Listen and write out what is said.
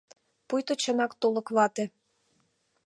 Пуйто чынак тулык вате